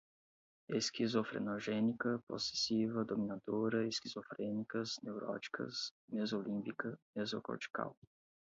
esquizofrenogénica, possessiva, dominadora, esquizofrênicas, neuróticas, mesolímbica, mesocortical